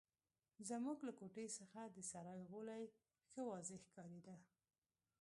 زموږ له کوټې څخه د سرای غولی ښه واضح ښکارېده.